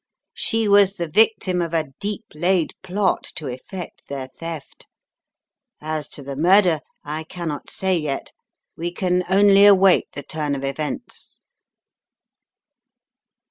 She was the victim of a deep laid plot to effect their theft. As to the murder, I cannot say yet. We can only await the turn of events."